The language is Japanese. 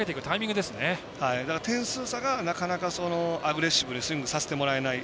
点数差がなかなかアグレッシブにスイングさせてもらえない。